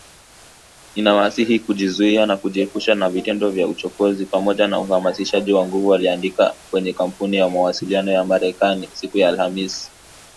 Ninawasihi kujizuia na kujiepusha na vitendo vya uchokozi, pamoja na uhamasishaji wa nguvu aliandika kwenye Kampuni ya mawasiliano ya Marekani siku ya Alhamis